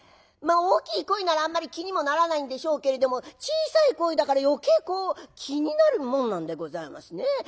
まあ大きい声ならあんまり気にもならないんでしょうけれども小さい声だから余計気になるもんなんでございますね。